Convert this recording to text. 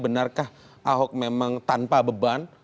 benarkah ahok memang tanpa beban